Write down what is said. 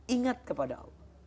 ingat kepada allah